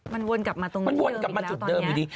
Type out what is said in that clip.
มันวนกลับมาตรงนี้มันวนกลับมาจุดเดิมอยู่ดี